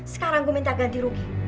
sekarang gue minta ganti rugi